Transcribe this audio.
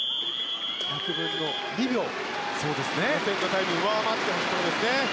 ２００分の２秒予選のタイムを上回ってほしいところですね。